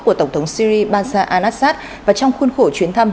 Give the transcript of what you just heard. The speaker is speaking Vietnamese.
của tổng thống syri bazaar al assad và trong khuôn khổ chuyến thăm